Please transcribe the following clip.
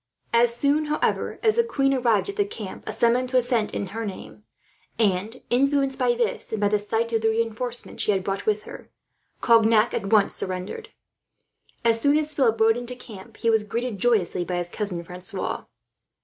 As soon, however, as the queen arrived at the camp, a summons was sent in in her name and, influenced by this, and by the sight of the reinforcements she had brought with her, Cognac at once surrendered. As soon as Philip rode into camp, he was greeted joyously by his cousin Francois.